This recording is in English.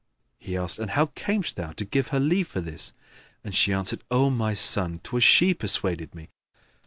He asked, "And how camest thou to give her leave for this?"; and she answered, "O my son, 'twas she persuaded me."